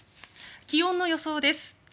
気温の予想です。